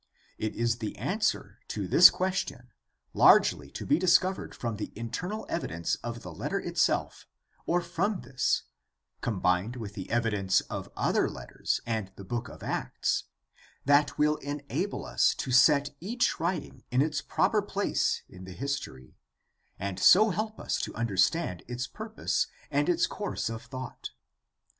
It is the answer to this question, largely to be discovered from the internal evidence of the letter itself, or from this, combined with the evidence of other letters and the Book of Acts, that will enable us to set each writing in its proper place in the his tory, and so help us to understand its purpose and its course of thought.